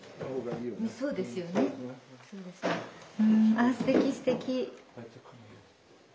あすてきすてき！